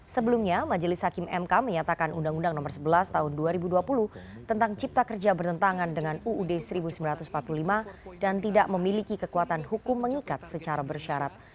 sebelumnya majelis hakim mk menyatakan undang undang nomor sebelas tahun dua ribu dua puluh tentang cipta kerja bertentangan dengan uud seribu sembilan ratus empat puluh lima dan tidak memiliki kekuatan hukum mengikat secara bersyarat